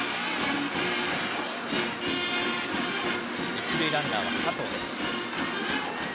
一塁ランナーは佐藤です。